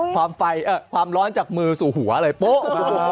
ความไฟความร้อนจากมือสู่หัวเลยปะ